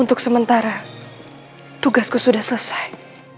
untuk sementara tugasku sudah selesai